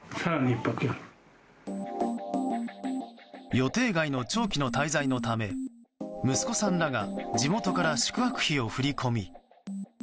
予定外の長期の滞在のため息子さんらが地元から宿泊費を振り込み